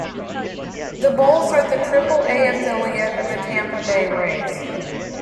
The Bulls are the Triple-A affiliate of the Tampa Bay Rays.